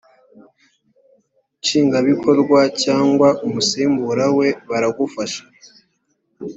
nshingwabikorwa cyangwa umusimbura we baragufasha